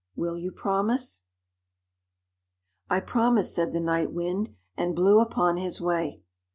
Will you promise?" "I promise," said the Night Wind, and blew upon his way.